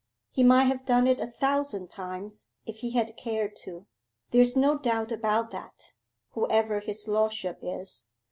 'He might have done it a thousand times if he had cared to, there's no doubt about that, whoever his lordship is.